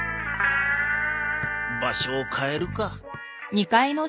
場所を変えるか。